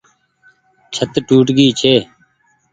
ڇت ٽوٽ گئي ڇي۔